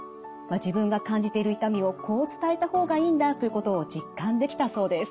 自分が感じている痛みをこう伝えた方がいいんだということを実感できたそうです。